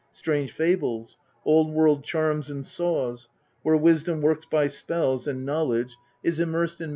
Strange fables, old world charms and saws, where wisdom works by spells and knowledge is immersed in INTRODUCTION.